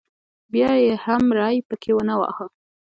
بیا یې هم ری پکې ونه واهه.